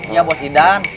iya bos idan